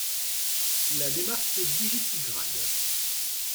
La démarche était digitigrade.